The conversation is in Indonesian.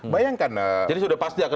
bayangkan jadi sudah pasti akan